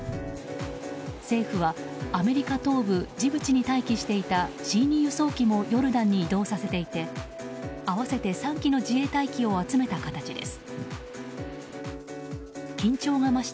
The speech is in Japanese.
政府は、アフリカ東部ジブチに待機していたＣ２輸送機もヨルダンに移動させていて合わせて３機の自衛隊機を集めた形です。